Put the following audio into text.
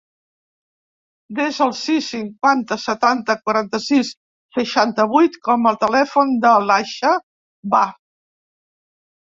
Desa el sis, cinquanta, setanta, quaranta-sis, seixanta-vuit com a telèfon de l'Aixa Bah.